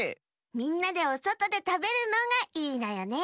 みんなでおそとでたべるのがいいのよね。